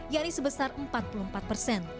yakni sebesar empat puluh empat persen